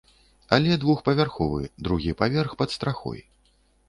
Але двухпавярховы, другі паверх пад страхой.